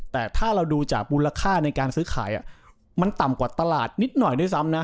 แต่ถ้าเราดูจากมูลค่าในการซื้อขายมันต่ำกว่าตลาดนิดหน่อยด้วยซ้ำนะ